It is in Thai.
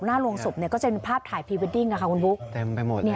หน้าล่วงสบเนี่ยก็จะคือภาพถ่ายพีเวอร์ดดิ้งนะคะคุณปุ๊บ